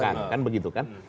iya kan begitu kan